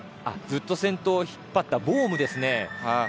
ずっと先頭を引っ張ったボームですね。